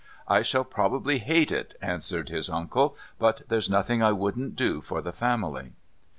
"I shall probably hate it," answered his uncle; "but there's nothing I wouldn't do for the family."